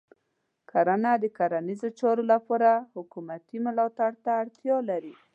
کرنه د کرنیزو چارو لپاره حکومتې ملاتړ ته اړتیا لري.